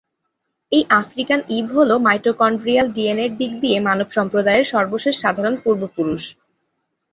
এই African Eve হল, mitochondrial ডিএনএর দিক দিয়ে মানব সম্প্রদায়ের সর্বশেষ সাধারণ পূর্বপুরুষ।